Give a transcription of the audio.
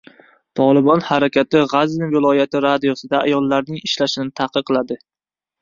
«Tolibon» harakati G‘azni viloyati radiosida ayollarning ishlashini taqiqladi